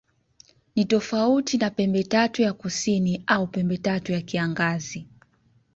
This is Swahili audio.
Ni tofauti na Pembetatu ya Kusini au Pembetatu ya Kiangazi.